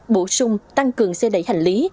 bổ sung tăng cường xe đẩy hành lý